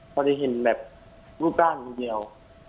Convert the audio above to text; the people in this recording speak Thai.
พอได้เห็นแบบรูปด้านอยู่เดียว